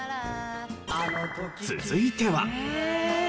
続いては。